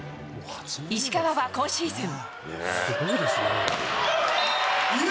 石川は今シーズン。